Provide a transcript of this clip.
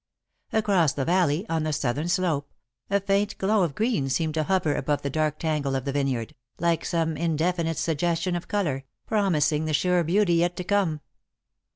Across the valley, on the southern slope, a faint glow of green seemed to hover above the dark tangle of the vineyard, like some indefinite suggestion of colour, promising the sure beauty yet to come.